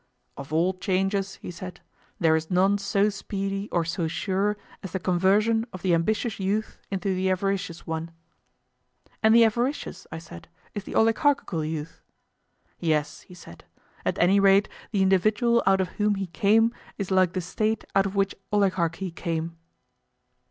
Of all changes, he said, there is none so speedy or so sure as the conversion of the ambitious youth into the avaricious one. And the avaricious, I said, is the oligarchical youth? Yes, he said; at any rate the individual out of whom he came is like the State out of which oligarchy came.